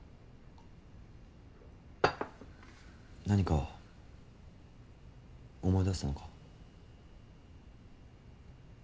何か思い出したのか？